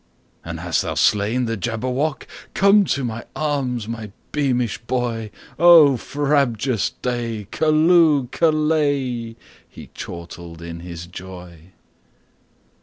"And hast thou slain the Jabberwock? Come to my arms, my beamish boy!O frabjous day! Callooh! Callay!"He chortled in his joy.